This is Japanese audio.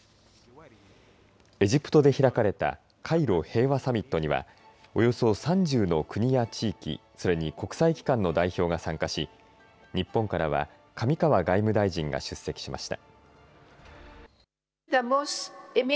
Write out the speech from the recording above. エジプトで開かれたカイロ平和サミットにはおよそ３０の国や地域それに国際機関の代表が参加し日本からは上川外務大臣が出席しました。